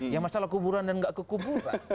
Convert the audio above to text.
yang masalah kuburan dan gak kekuburan